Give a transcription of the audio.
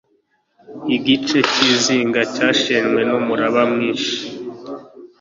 igice cyizinga cyashenywe numuraba mwinshi